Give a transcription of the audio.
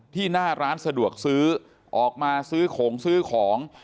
หน้าร้านสะดวกซื้อออกมาซื้อของซื้อของ